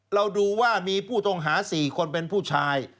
เราดูว่ามีผู้ต้องหา๔คนเป็นผู้ชาย